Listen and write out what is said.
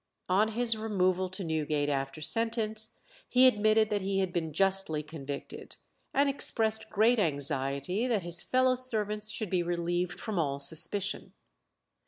On his removal to Newgate after sentence, he admitted that he had been justly convicted, and expressed great anxiety that his fellow servants should be relieved from all suspicion.